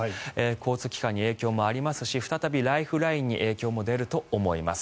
交通機関に影響もありますし再びライフラインに影響も出ると思います。